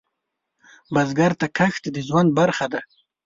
بزګر ته کښت د ژوند برخه ده